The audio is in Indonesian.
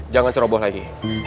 jangan ceroboh lagi